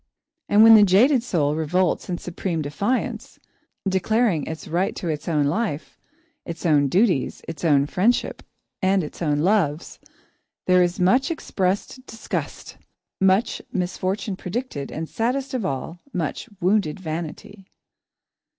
And when the jaded soul revolts in supreme defiance, declaring its right to its own life, its own duties, its own friendships, and its own loves, there is much expressed disgust, much misfortune predicted, and, saddest of all, much wounded vanity.